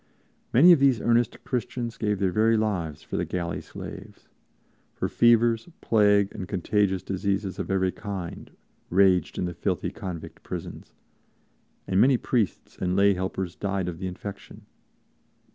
Many of these earnest Christians gave their very lives for the galley slaves; for fevers, plague and contagious diseases of every kind raged in the filthy convict prisons, and many priests and lay helpers died of the infection.